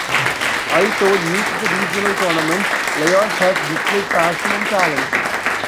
Although new to the regional tournaments, Laos has displayed passion and talent.